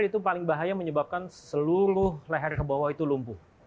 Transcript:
itu paling bahaya menyebabkan seluruh leher kebawah itu lumpuh